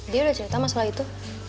dia udah cerita masalah itu